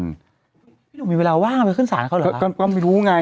พี่ต้องมีเวลาว่างไปขึ้นศาลเขาเหรอคะ